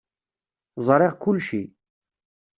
Zṛiɣ kulci.